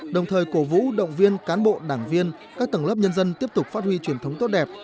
đồng thời cổ vũ động viên cán bộ đảng viên các tầng lớp nhân dân tiếp tục phát huy truyền thống tốt đẹp